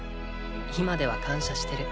今では感謝してる。